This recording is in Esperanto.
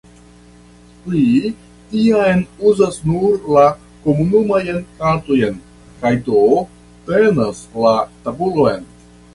Li tiam uzas nur la komunajn kartojn, kaj do "tenas la tabulon".